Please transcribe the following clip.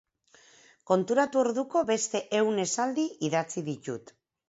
Konturatu orduko beste ehun esaldi idatzi ditut.